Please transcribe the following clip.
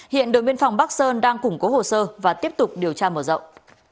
hiện đội biên phòng bắc sơn đang củng cố hồ sơ và tiếp tục điều tra mở rộng